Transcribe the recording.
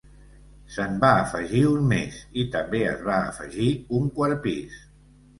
Se'n va afegir un més i també es va afegir un quart pis.